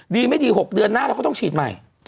ดีไม่ดี๖เดือนหน้าเราก็ต้องฉีดใหม่